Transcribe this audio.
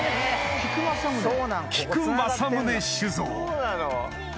菊正宗酒造